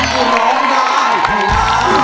มูลค่า๑หมื่นบาท